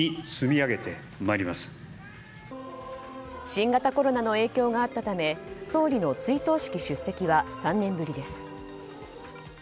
新型コロナの影響があったため総理の追悼式出席は３年ぶりです。